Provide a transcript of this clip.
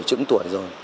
trững tuổi rồi